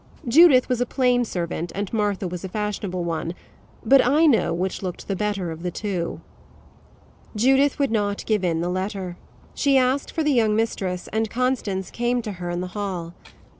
Judith was a plain servant, and Martha was a fashionable one; but I know which looked the better of the two. Judith would not give in the letter. She asked for the young mistress, and Constance came to her in the hall.